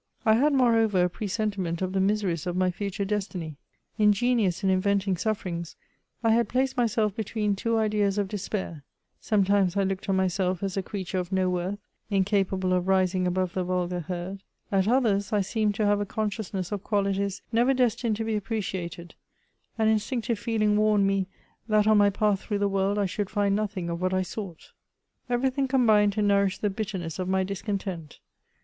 I had, moreover, a presentiment of the miseries of my future destiny ; ingenious in inventing sufPer mgs, I had placed myself between two ideas of despair; sometimes I looked on myself as a creature of no worth, incapable of rising above the vulgar herd ; at others, I seemed to have a consciousness of qualities never destined to be appreciated ; an instinctive feeHng warned me, that on my path through the world I should find nothing of what I sought. Everything combined to nourish the bitterness of my dis content.